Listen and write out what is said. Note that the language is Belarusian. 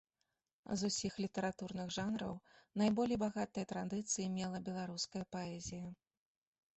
З усіх літаратурных жанраў найболей багатыя традыцыі мела беларуская паэзія.